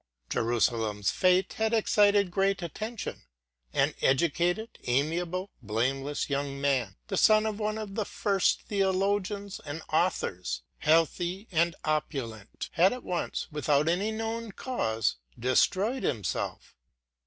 Jerusalem's fate had excited great attention. An educated, amiable, blameless young man, the son of one of the first theologians and authors, healthy and opulent, had at once, without any known cause, destroyed himself.